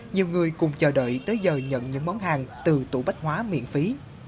nhiều người cùng chờ đợi tới giờ nhận những món hàng từ tủ bách hóa miễn phí